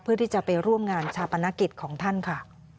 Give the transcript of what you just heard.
เพื่อที่จะไปร่วมงานชาปนกิจของท่านค่ะ